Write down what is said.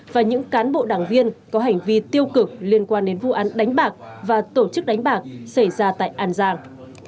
và những cán bộ đảng viên có hành vi tiêu cực liên quan đến vụ án đánh bạc và tổ chức đánh bạc xảy ra tại an giang